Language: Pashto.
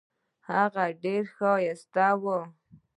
هغه ډیره ښایسته وه.